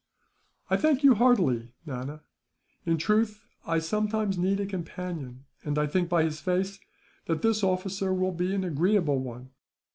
"I thank you heartily, Nana. In truth, I sometimes need a companion; and I think, by his face, that this officer will be an agreeable one.